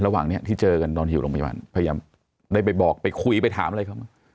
ระหว่างนี้ที่เจอกันนอนอยู่โรงพยาบาลพยายามได้ไปบอกไปคุยไปถามอะไรเขา